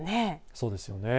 そうですよね。